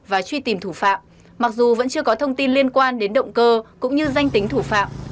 và truy tìm thủ phạm mặc dù vẫn chưa có thông tin liên quan đến động cơ cũng như danh tính thủ phạm